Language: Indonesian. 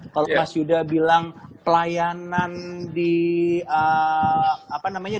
kalau mas yuda bilang pelayanan di apa namanya